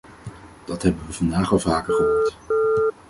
Dat hebben we vandaag al vaker gehoord.